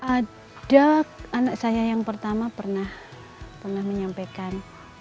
ada anak saya yang pertama pernah menyampaikan